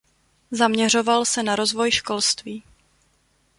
Zaměřoval se na rozvoj školství.